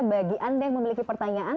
bagi anda yang memiliki pertanyaan